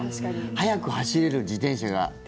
速く走れる自転車が。